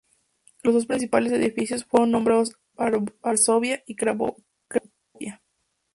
Los dos principales edificios fueron nombrados "Varsovia" y "Cracovia".